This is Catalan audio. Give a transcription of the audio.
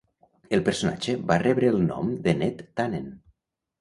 El personatge va rebre el nom de Ned Tanen.